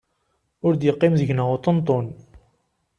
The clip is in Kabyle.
Ur d-iqqim deg-neɣ uṭenṭun.